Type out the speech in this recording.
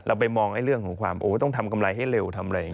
เราไปมองเรื่องของความต้องทำกำไรให้เร็ว